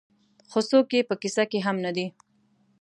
خو څوک یې په کيسه کې هم نه دي.